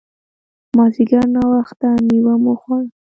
مازیګر ناوخته مېوه مو وخوړه.